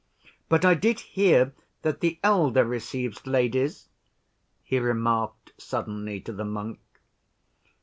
But I did hear that the elder receives ladies," he remarked suddenly to the monk.